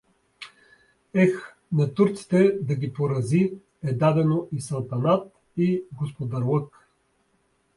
Ех, на турците, да ги порази, е дадено и салтанат, и господарлък.